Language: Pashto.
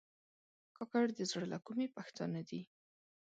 کاکړ د زړه له کومي پښتانه دي.